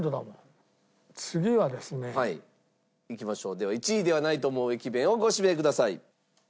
では１位ではないと思う駅弁をご指名ください。